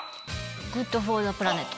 グッドフォーザプラネット。